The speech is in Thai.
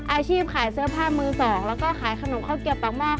อาชีพขายเสื้อผ้ามือสองแล้วก็ขายขนมข้าวเกียบปากหม้อ